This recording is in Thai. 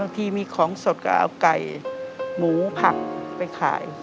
ทีมีของสดก็เอาไก่หมูผักไปขาย